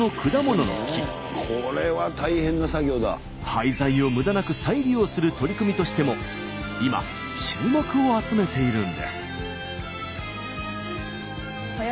廃材を無駄なく再利用する取り組みとしても今注目を集めているんです。